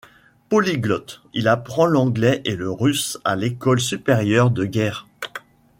Polyglotte, il apprend l'anglais et le russe à l'École supérieure de Guerre.